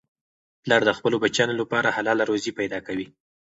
پلار د خپلو بچیانو لپاره حلاله روزي پیدا کوي.